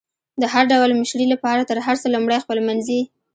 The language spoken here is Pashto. د هر ډول مشري لپاره تر هر څه لمړی خپلمنځي